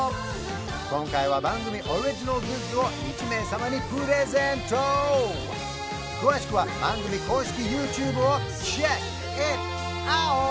今回は番組オリジナルグッズを１名様にプレゼント詳しくは番組公式ＹｏｕＴｕｂｅをｃｈｅｃｋｉｔｏｕｔ！